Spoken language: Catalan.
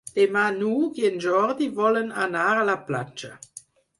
Demà n'Hug i en Jordi volen anar a la platja.